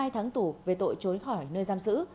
một mươi hai tháng tù về tội trốn khỏi nơi giam giữ